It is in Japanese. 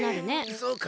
そうか？